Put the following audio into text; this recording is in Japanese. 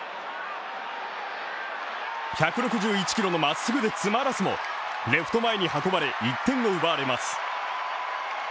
１６１キロの真っすぐで詰まらすもレフト前に運ばれ１点を奪われます。